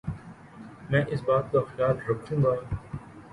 میں اس بات کا خیال رکھوں گا ـ